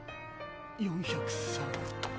４０３。